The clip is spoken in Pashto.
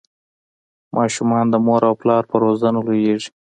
ماشومان د مور او پلار په روزنه لویږي.